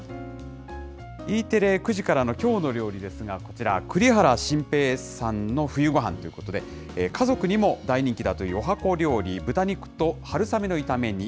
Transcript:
Ｅテレ９時からのきょうの料理ですが、こちら、栗原心平さんの冬ごはんということで、家族にも大人気だというおはこ料理、豚肉と春雨の炒め煮。